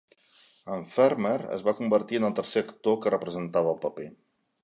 En Farmer es va convertir en el tercer actor que representava el paper.